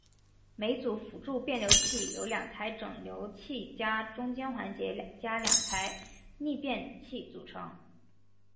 每组辅助变流器由两台整流器加中间环节加两台逆变器组成。